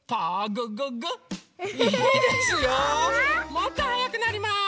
もっとはやくなります。